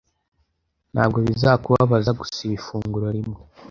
Ntabwo bizakubabaza gusiba ifunguro rimwe.